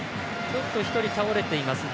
ちょっと１人、倒れています。